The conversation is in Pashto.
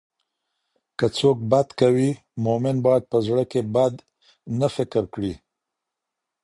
که څوک بد کوي، مؤمن باید په زړه کې بد نه فکر کړي.